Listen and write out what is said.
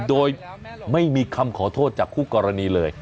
โดยไม่มีคำขอโทษจากคู่กรณีเลย